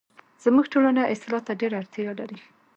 زموږ ټولنه اصلاح ته ډيره اړتیا لري